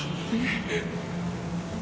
えっ？